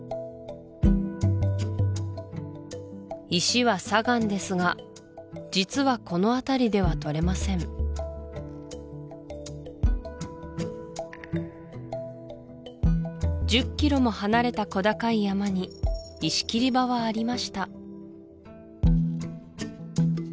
石は砂岩ですが実はこの辺りではとれません１０ｋｍも離れた小高い山に石切り場はありました